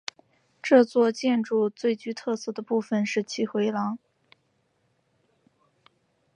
这座建筑最具特色的部分是其回廊。